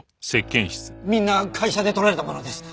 みんな会社で撮られたものです。